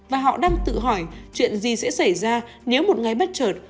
và họ đang tự hỏi chuyện gì sẽ xảy ra nếu một ngày bất chợt